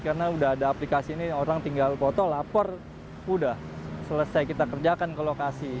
karena sudah ada aplikasi ini orang tinggal foto lapor sudah selesai kita kerjakan ke lokasi